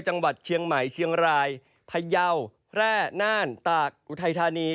จังหวัดเชียงใหม่เชียงรายพยาวแพร่น่านตากอุทัยธานี